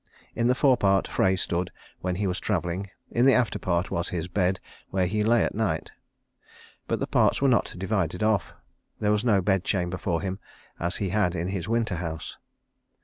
In the forepart Frey stood when he was travelling; in the afterpart was his bed where he lay at night. But the parts were not divided off. There was no bed chamber for him as he had in his winter house.